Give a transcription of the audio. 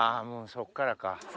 そっから。